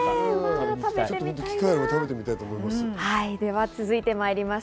機会があれば食べてみたいと思います。